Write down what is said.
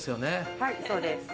はいそうです。